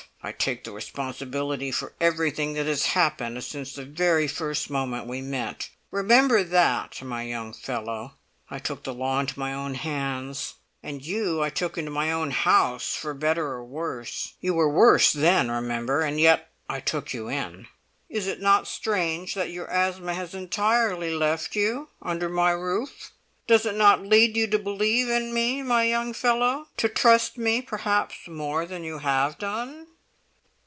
I take the responsibility for everything that has happened since the very first moment we met. Remember that, my young fellow! I took the law into my own hands, and you I took into my own house for better or worse. You were worse then, remember, and yet I took you in! Is it not strange that your asthma has entirely left you under my roof? Does it not lead you to believe in me, my young fellow—to trust me perhaps more than you have done?"